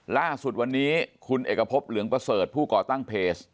ล่าสุดวันนี้คุณเอกพบเหลืองประเสริฐผู้ก่อตั้งเพจ